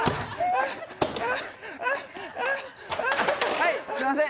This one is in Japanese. はいすいません。